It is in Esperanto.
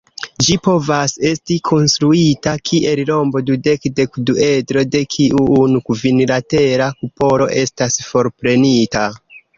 Ĝi povas esti konstruita kiel rombo-dudek-dekduedro de kiu unu kvinlatera kupolo estas forprenita.